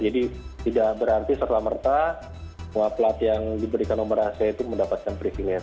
jadi tidak berarti setelah merta pelat pelat yang diberikan nomor rahasia itu mendapatkan privilege